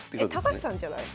高橋さんじゃない？